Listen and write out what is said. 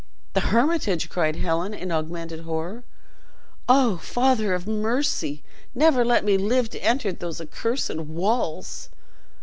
"The Hermitage!" cried Helen, in augmented horror. "Oh, Father of mercy! never let me live to enter those accursed walls!"